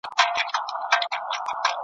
چي تمام دېوان یې له باریکیو ډک دی ,